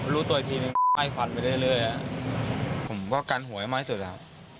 รู้ตัวอีกทีหนึ่งไห้ฝันไปเรื่อยผมก็กันหัวให้ไหม้สุดครับ